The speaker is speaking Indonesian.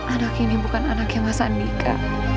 anak ini bukan anaknya mas andika